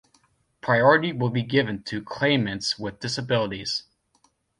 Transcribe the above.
Priority will be given to claimants with disabilities.